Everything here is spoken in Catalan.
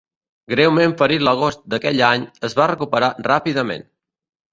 Greument ferit l'agost d'aquell any, es va recuperar ràpidament.